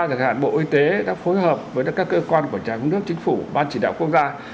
bán chỉ đạo quốc gia